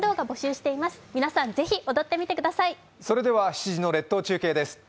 ７時の列島中継です。